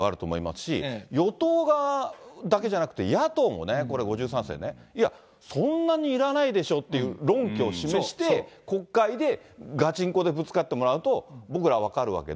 だから、岸田総理ももちろん説明責任はあると思いますし、与党側だけじゃなくて、野党もね、これ、５３世ね、いや、そんなにいらないでしょっていう論拠を示して、国会でガチンコでぶつかってもらうと、僕らは分かるわけで。